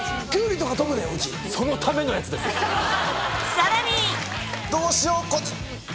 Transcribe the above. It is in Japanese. さらに！